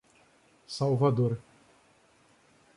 Salvador